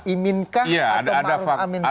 imin kah atau ma'ruf amin kah